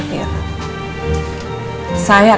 terima kasih dok